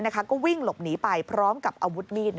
ก็วิ่งหลบหนีไปพร้อมกับอาวุธมีด